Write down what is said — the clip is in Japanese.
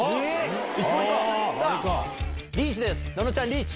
リーチですののちゃんリーチ。